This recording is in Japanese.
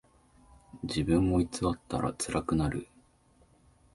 自分を偽ったらつらくなる。